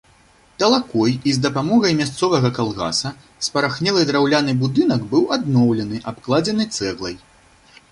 Талакой і з дапамогай мясцовага калгаса спарахнелы драўляны будынак быў адноўлены, абкладзены цэглай.